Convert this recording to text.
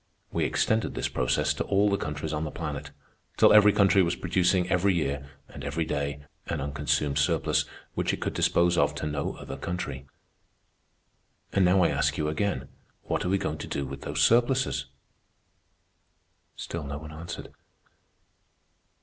We extended this process to all the countries on the planet, till every country was producing every year, and every day, an unconsumed surplus, which it could dispose of to no other country. And now I ask you again, what are we going to do with those surpluses?" Still no one answered.